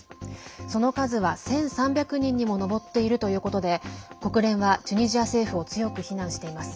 その数は１３００人にも上っているということで国連はチュニジア政府を強く非難しています。